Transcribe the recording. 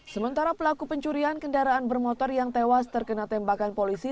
sementara pelaku pencurian kendaraan bermotor yang tewas terkena tembakan polisi